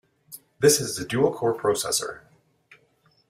This has a dual-core processor.